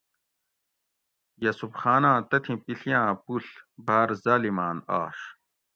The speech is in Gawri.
یوسف خاناۤں تتھی پِیڷیاۤں پُوڷ باۤر ظالماۤن آش